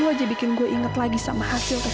selalu aja bikin gue inget lagi sama hasil tes dna non